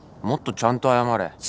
もっとちゃんと謝れ。